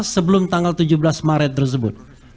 sebelum tanggal tujuh belas maret tersebut